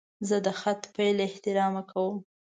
زه د خط پیل له احترامه کوم.